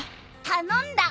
頼んだ！